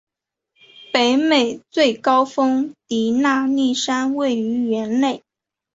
北美最高峰迪纳利山位于园内。